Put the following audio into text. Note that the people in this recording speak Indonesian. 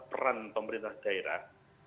peran pemerintah daerah